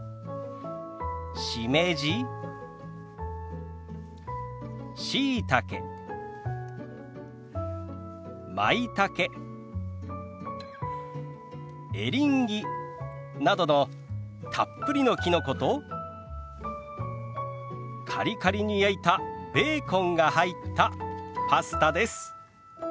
しめじしいたけまいたけエリンギなどのたっぷりのきのことカリカリに焼いたベーコンが入ったパスタです。